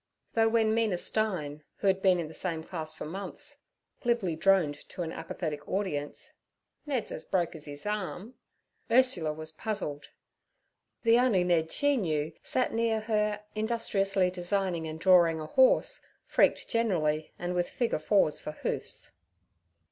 Though when Mina Stein—who had been in the same class for months—glibly droned to an apathetic audience, 'Ned 'as broke 'es arm' Ursula was puzzled. The only Ned she knew sat near her industriously designing and drawing a horse freaked generally and with figure fours for hoofs.